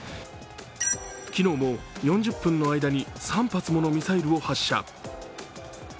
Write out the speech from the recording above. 昨日も４０分の間に３発ものミサイルを発射。